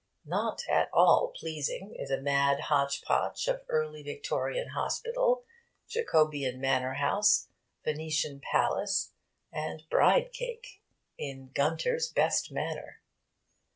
Not at all pleasing is a mad hotch potch of early Victorian hospital, Jacobean manor house, Venetian palace, and bride cake in Gunter's best manner.